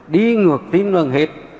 đi ngược tính bằng hết